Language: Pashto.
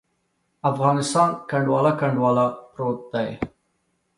افغانستان کنډواله، کنډواله پروت دی.